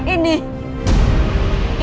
ini apa ah